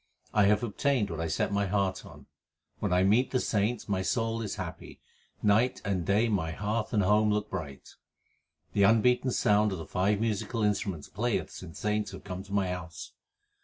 1 have obtained what I set my heart on. When I meet the saints my soul is happy ; night and day my hearth and home look bright. The unbeaten sound of the five musical instruments playeth since saints have come to my house.